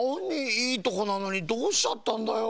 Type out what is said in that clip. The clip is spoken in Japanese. いいとこなのにどうしちゃったんだよ。